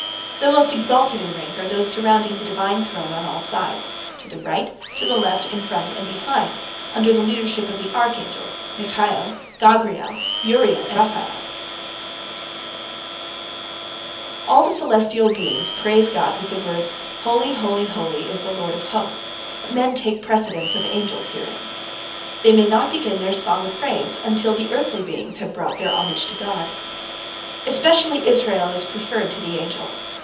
The most exalted in rank are those surrounding the Divine Throne on all sides, to the right, to the left, in front, and behind, under the leadership of the archangels Michael, Gabriel, Uriel, and Raphael. All the celestial beings praise God with the words, "Holy, holy, holy, is the Lord of hosts," but men take precedence of the angels herein. They may not begin their song of praise until the earthly beings have brought their homage to God. Especially Israel is preferred to the angels.